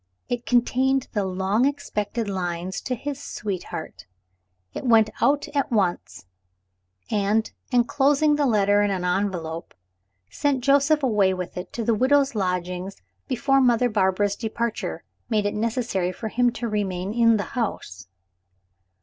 It contained the long expected lines to his sweetheart. I went out at once, and, enclosing the letter in an envelope, sent Joseph away with it to the widow's lodgings before Mother Barbara's departure made it necessary for him to remain in the house.